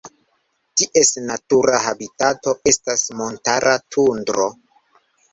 Ties natura habitato estas montara tundro.